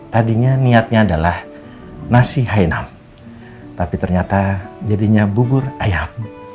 tadinya niatnya adalah nasi hainal tapi ternyata jadinya bubur ayam